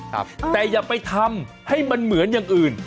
แต่อย่าไปทำให้มันเหมือนอย่างอื่น